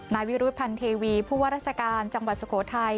นายวิรุธพันธ์เทวีผู้ว่าราชการจังหวัดสุโขทัย